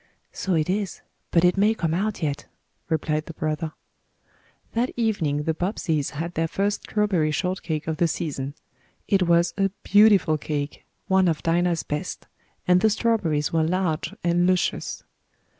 "So it is. But it may come out yet," replied the brother. That evening the Bobbseys had their first strawberry shortcake of the season. It was a beautiful cake one of Dinah's best and the strawberries were large and luscious.